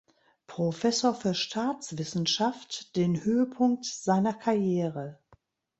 Professor für Staatswissenschaft den Höhepunkt seiner Karriere.